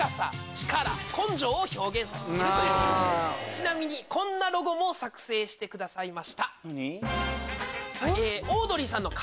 ちなみにこんなロゴも作成してくださいました。